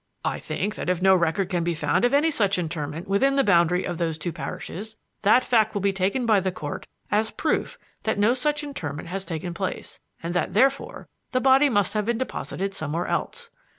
I think that if no record can be found of any such interment within the boundary of those two parishes, that fact will be taken by the Court as proof that no such interment has taken place, and that therefore the body must have been deposited somewhere else.